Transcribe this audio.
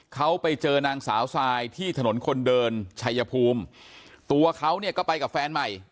เขาไปเจอนางสาวทรายที่ถนนคนเดินชัยภูมิตัวเขาเนี่ยก็ไปกับแฟนใหม่